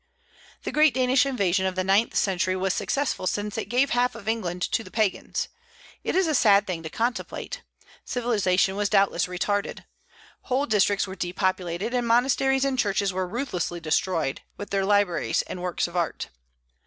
The great Danish invasion of the ninth century was successful, since it gave half of England to the Pagans. It is a sad thing to contemplate. Civilization was doubtless retarded. Whole districts were depopulated, and monasteries and churches were ruthlessly destroyed, with their libraries and works of art.